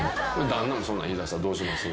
旦那もそんなん言いだしたらどうします？